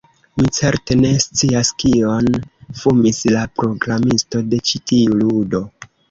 Mi certe ne scias kion fumis la programisto de ĉi tiu ludo